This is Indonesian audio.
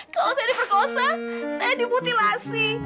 kalau saya diperkosa saya dimutilasi